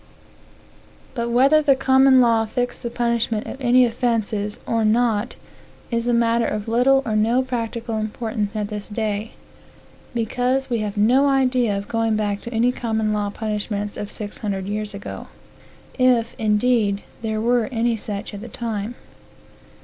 But whether the common law fixed the punishment of any offences, or not, is a matter of little or no practical importance at this day; because we have no idea of going back to any common law punishments of six hundred years ago, if, indeed, there were any such at that time.